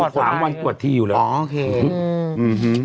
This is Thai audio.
หวังวันตรวจที่อยู่แล้ว